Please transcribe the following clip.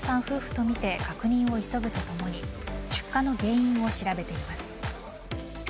夫婦とみて確認を急ぐとともに出火の原因を調べています。